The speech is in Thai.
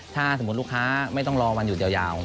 ถ้าสมมุติลูกค้าไม่ต้องรอวันหยุดยาว